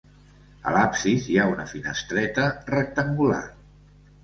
A l'absis hi ha una finestreta rectangular.